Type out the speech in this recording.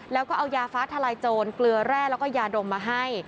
แล้วก็เอายาฟ้าทลายโจรเกลือแร่แล้วก็ยาดมมาให้